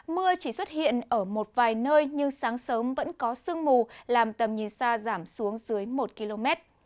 mưa chỉ xuất hiện ở một vài nơi nhưng sáng sớm vẫn có sương mù làm tầm nhìn xa giảm xuống dưới một km